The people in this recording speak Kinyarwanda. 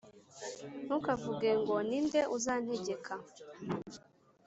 Ntukavuge ngo «Ni nde uzantegeka?